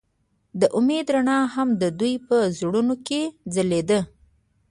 د امید رڼا هم د دوی په زړونو کې ځلېده.